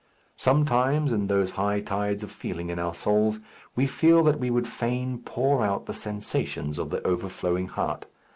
Sometimes in those high tides of feeling in our souls we feel that we would fain pour out the sensations of the overflowing heart.